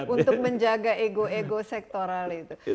untuk menjaga ego ego sektoral itu